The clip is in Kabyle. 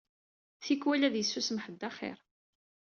Tikwal ad yessusem ḥedd axir.